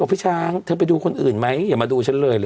พี่ช้างเธอไปดูคนอื่นไหมอย่ามาดูฉันเลยเลย